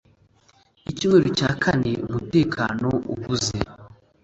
icyumweru cya kane umutekano ubuze